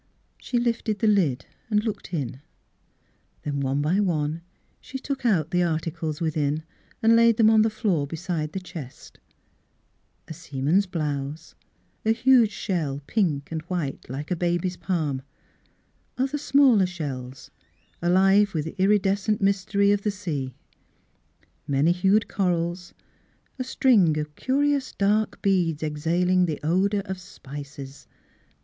She lifted the lid and looked in. Then one by one she took out the articles within and laid them on the floor beside the chest, a seaman's blouse, a huge shell, pink and white, like a baby's palm ; other smaller shells, alive with the iridescent mystery of the sea ; many hued corals, a string of curious dark beads, exhaling the odour of spices.